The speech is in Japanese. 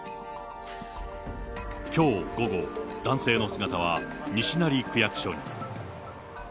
きょう午後、男性の姿は西成区役所に。